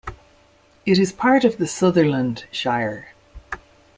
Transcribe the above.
It is part of the Sutherland Shire.